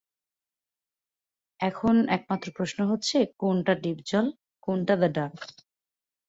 এখন একমাত্র প্রশ্নটা হচ্ছেঃ কোনটা ডিপজল, - কোনটা দ্য ডাক?